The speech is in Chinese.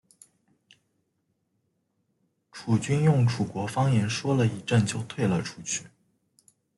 楚军用楚国方言说了一阵就退了出去。